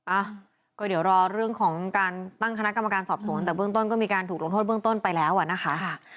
อ่ะก็เดี๋ยวรอเรื่องของการตั้งคณะกรรมการสอบสวนแต่เบื้องต้นก็มีการถูกลงโทษเบื้องต้นไปแล้วอ่ะนะคะ